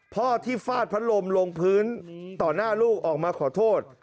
พ่อที่ฟาดพัดลมลงพื้นต่อหน้าลูกออกมาขอโทษ